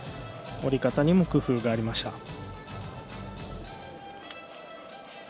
降り方にも工夫がありました。